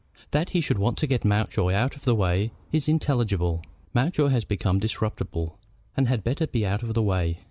That he should want to get Mountjoy out of the way is intelligible. Mountjoy has become disreputable, and had better be out of the way.